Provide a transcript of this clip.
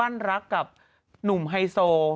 แม่นุ่มไฮโซ